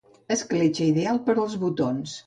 Escletxa ideal per als botons.